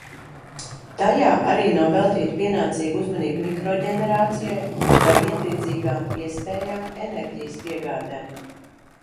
Tajā arī nav veltīta pienācīga uzmanība mikroģenerācijai vai vienlīdzīgām iespējām enerģijas piegādē.